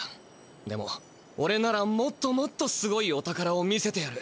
でも「おれならもっともっとすごいお宝を見せてやる」